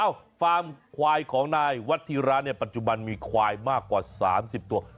ฟาร์มควายของนายวัฒิระเนี่ยปัจจุบันมีควายมากกว่า๓๐ตัว